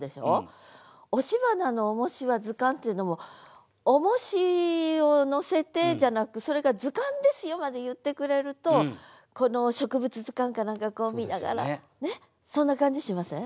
「押し花の重しは図鑑」っていうのも「重しを載せて」じゃなく「それが図鑑ですよ」まで言ってくれるとこの植物図鑑か何かこう見ながらそんな感じしません？